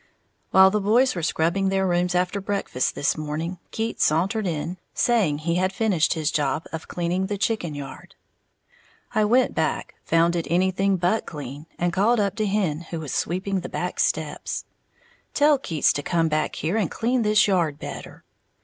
_ While the boys were scrubbing their rooms after breakfast this morning, Keats sauntered in, saying he had finished his job of cleaning the chicken yard. I went back, found it anything but clean, and called up to Hen, who was sweeping the back steps, "Tell Keats to come back here and clean this yard better!"